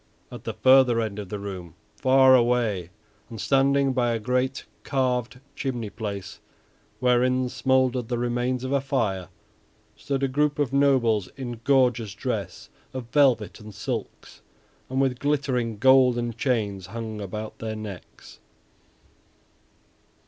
At the further end of the room, far away, and standing by a great carved chimney place wherein smouldered the remains of a fire, stood a group of nobles in gorgeous dress of velvet and silks, and with glittering golden chains hung about their necks.